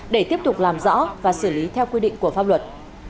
để tiếp tục làm rõ và xử lý theo quy định của pháp luật